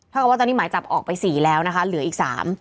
กับว่าตอนนี้หมายจับออกไป๔แล้วนะคะเหลืออีก๓